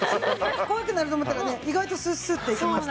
怖くなると思ったらね意外とスッスッて行けました。